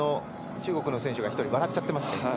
中国の選手が１人笑っちゃってますね。